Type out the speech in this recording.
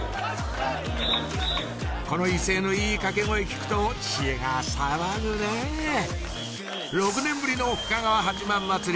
この威勢のいい掛け声聞くと血が騒ぐねぇ６年ぶりの深川八幡祭り